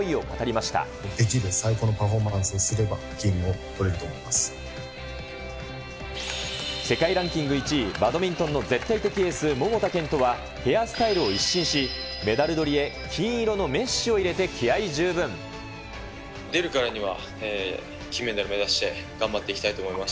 できる最高のパフォーマンス世界ランキング１位、バドミントンの絶対的エース、桃田賢斗は、ヘアスタイルを一新し、メダルどりへ金色のメッシュ出るからには金メダル目指して、頑張っていきたいと思います。